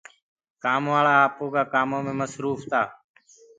ورڪر بي آپو ڪآ ڪآمو مي تمآم مسروڦ تآ۔